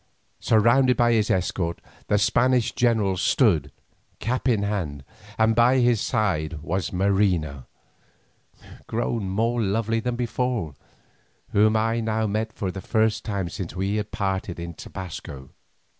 Surrounded by his escort, the Spanish general stood, cap in hand, and by his side was Marina, grown more lovely than before, whom I now met for the first time since we had parted in Tobasco.